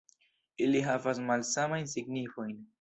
Ili havas malsamajn signifojn.